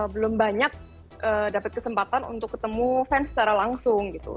belum banyak dapat kesempatan untuk ketemu fans secara langsung gitu